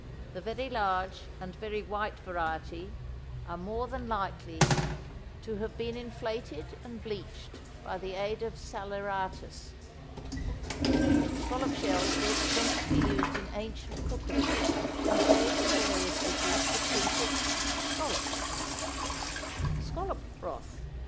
The very large and very white variety are more than likely to have been inflated and bleached by the aid of saleratus. Scallop shells were extensively used in ancient cookery, and gave to various dishes the prefix "scalloped." =Scallop Broth.